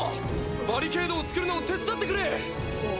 バリケードを作るのを手伝ってくれ！！